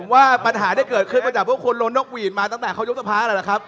ว่าปัญหาที่เกิดขึ้นมาจากพวกคุณล้นนกหวีดมาตั้งแต่เขายกสภาแล้วล่ะครับ